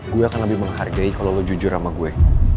gue akan lebih menghargai kalau lo jujur sama gue